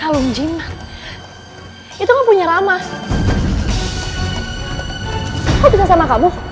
kalau jimat itu punya rama